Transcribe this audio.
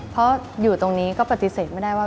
เพราะอยู่ตรงนี้ก็ปฏิเสธไม่ได้ว่า